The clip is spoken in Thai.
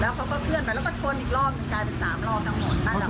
เขาก็เคลื่อนไปแล้วก็ชนอีกรอบหนึ่งกลายเป็น๓รอบทั้งหมด